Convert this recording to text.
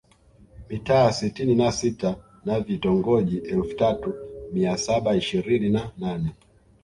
Mitaa sitini na sita na Vitongoji elfu tatu mia saba ishirini na nane